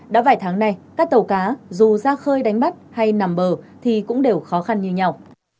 đã vài tháng nay các tàu cá dù ra khơi đánh bắt hay nằm bờ thì cũng đều khó khăn như nhau